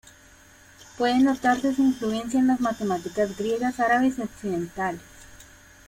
Puede notarse su influencia en las matemáticas griegas, árabes y occidentales.